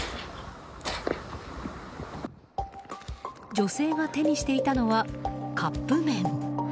女性が手にしていたのはカップ麺。